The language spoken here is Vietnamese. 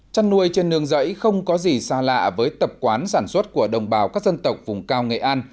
chăn nuôi trên nương giấy không có gì xa lạ với tập quán sản xuất của đồng bào các dân tộc vùng cao nghệ an